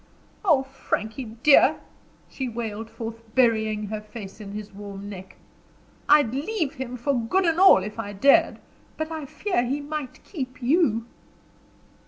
"Oh, Franky dear," she wailed forth, burying her face in his warm neck. "I'd leave him for good and all, if I dared; but I fear he might keep you."